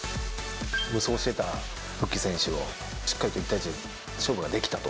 無双してたフッキ選手をしっかりと１対１で勝負ができたと。